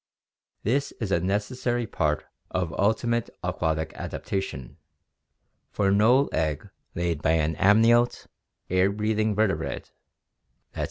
This is a nec essary part of ulti mate aquatic adapta tion, for no egg laid 1 by an amniote air breathing vertebrate (i.